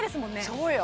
そうよ